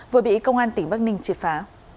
vừa bị công an tỉnh bắc ninh triệt phá